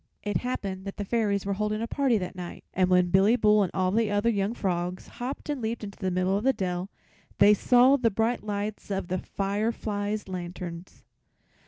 It happened that the Fairies were holding a party that night, and when Billy Bull and all the other young frogs hopped and leaped into the middle of the dell they saw the bright lights of the fireflies' lanterns.